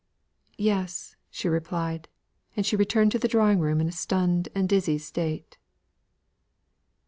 "Yes," she replied, and she returned to the drawing room in a stunned and dizzy state.